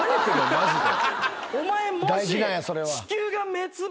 マジで。